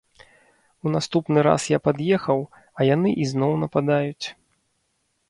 У наступны раз я пад'ехаў, а яны ізноў нападаюць.